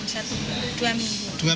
sekitar dua minggu